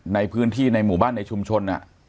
ในพื้นที่ในหมู่บ้านในชุมชน